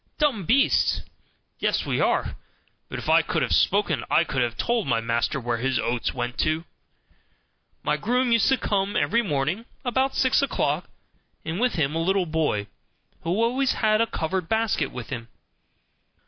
"Dumb beasts!" Yes, we are; but if I could have spoken I could have told my master where his oats went to. My groom used to come every morning about six o'clock, and with him a little boy, who always had a covered basket with him.